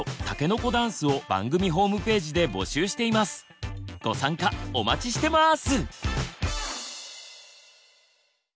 番組ではご参加お待ちしてます！